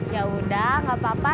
yaudah gak apa apa